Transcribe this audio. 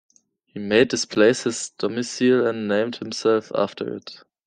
He made this place his domicile and named himself after it.